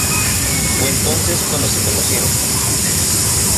Fue entonces cuando se conocieron.